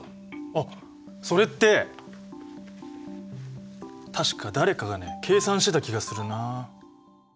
あっそれって確か誰かがね計算してた気がするな。